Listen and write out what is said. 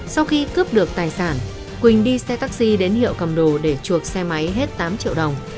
sau khi cướp được tài sản quỳnh đi xe taxi đến hiệu cầm đồ để chuộc xe máy hết tám triệu đồng